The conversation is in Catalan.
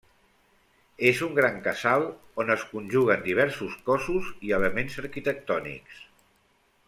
És un gran casal on es conjuguen diversos cossos i elements arquitectònics.